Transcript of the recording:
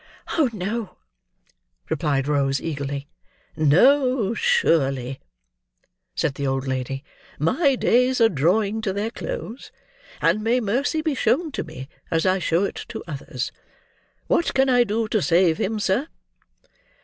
"Oh, no!" replied Rose, eagerly. "No, surely," said the old lady; "my days are drawing to their close: and may mercy be shown to me as I show it to others! What can I do to save him, sir?"